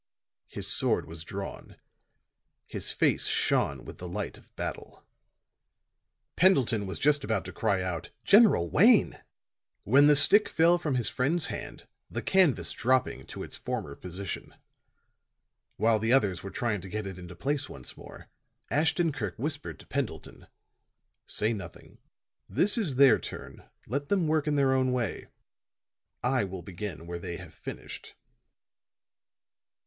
His sword was drawn; his face shone with the light of battle. Pendleton was just about to cry out "General Wayne," when the stick fell from his friend's hand, the canvas dropping to its former position. While the others were trying to get it into place once more, Ashton Kirk whispered to Pendleton: "Say nothing. This is their turn; let them work in their own way. I will begin where they have finished."